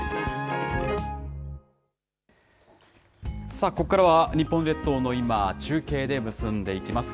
さあ、ここからは日本列島の今、中継で結んでいきます。